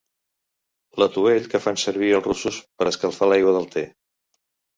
L'atuell que fan servir els russos per escalfar l'aigua del te.